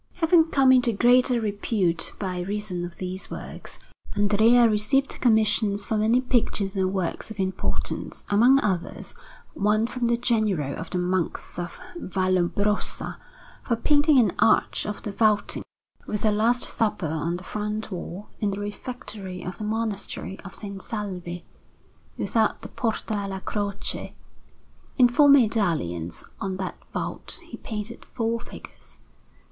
Annunziata_) Alinari] Having come into greater repute by reason of these works, Andrea received commissions for many pictures and works of importance; among others, one from the General of the Monks of Vallombrosa, for painting an arch of the vaulting, with a Last Supper on the front wall, in the Refectory of the Monastery of S. Salvi, without the Porta alla Croce. In four medallions on that vault he painted four figures, S.